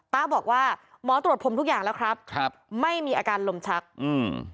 บอกว่าหมอตรวจผมทุกอย่างแล้วครับครับไม่มีอาการลมชักอืม